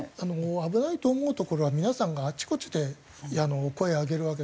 危ないと思う所は皆さんがあちこちで声を上げるわけです。